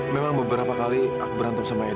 memang beberapa kali aku berantem sama ibu